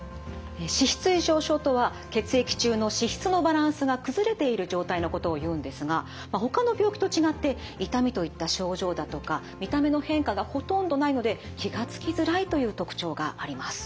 脂質異常症とは血液中の脂質のバランスが崩れている状態のことを言うんですがほかの病気と違って痛みといった症状だとか見た目の変化がほとんどないので気が付きづらいという特徴があります。